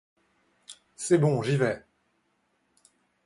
C'est bon, j'y vais.